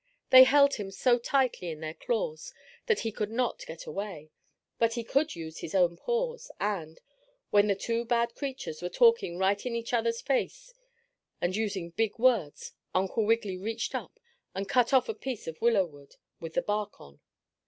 They held him so tightly in their claws that he could not get away, but he could use his own paws, and, when the two bad creatures were talking right in each other's face, and using big words, Uncle Wiggily reached up and cut off a piece of willow wood with the bark on.